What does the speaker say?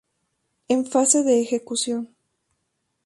En fase de ejecución.